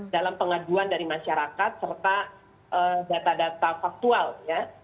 dalam pengaduan dari masyarakat serta data data faktual ya